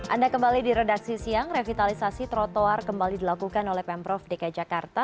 anda kembali di redaksi siang revitalisasi trotoar kembali dilakukan oleh pemprov dki jakarta